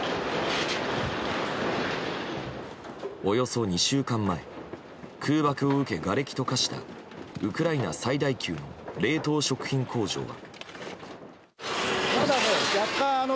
およそ２週間前空爆を受け、がれきと化したウクライナ最大級の冷凍食品工場。